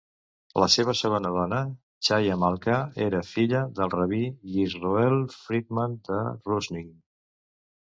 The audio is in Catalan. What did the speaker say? La seva segona dona, Chaya Malka, era filla del rabí Yisroel Friedman de Ruzhin.